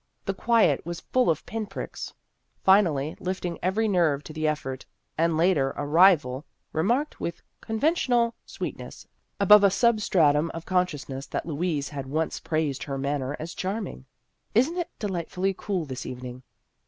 The quiet was full of pin pricks. Finally, lifting every nerve to the effort, the later arrival remarked, with conven tional sweetness above a sub stratum of consciousness that Louise had once praised her manner as charming, " Is n't it delightfully cool this evening